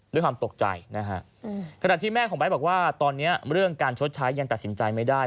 ด้วยความตกใจนะฮะขณะที่แม่ของไบท์บอกว่าตอนนี้เรื่องการชดใช้ยังตัดสินใจไม่ได้